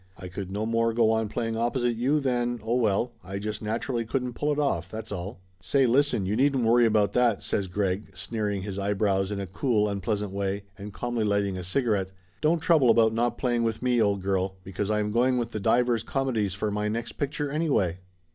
I could no more go on playing opposite you than oh well, I just naturally couldn't pull it off, that's all!" Laughter Limited 253 "Say listen, you needn't worry about that!" says Greg, sneering his eyebrows in a cool, unpleasant way and calmly lighting a cigarette. "Don't trouble about not playing with me, old girl, because I am going with the Divers Comedies for my next picture, any way!"